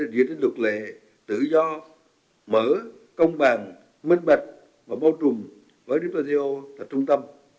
diễn ra luật lệ tự do mở công bằng minh bạch và mâu trùm với dtco và trung tâm